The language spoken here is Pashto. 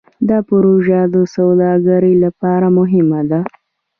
دا پروژه د سوداګرۍ لپاره مهمه ده.